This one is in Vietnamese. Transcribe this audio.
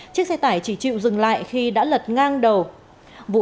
chiếc xe tải chỉ chịu dừng lại khi đã lật ngang đầu